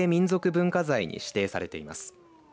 文化財に指定されています。